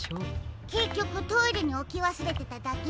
けっきょくトイレにおきわすれてただけでしたけどね。